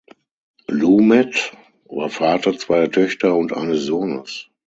Lumet war Vater zweier Töchter und eines Sohnes.